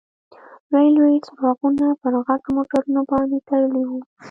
لوی لوی څراغونه پر غټو موټرونو باندې تړلي وو.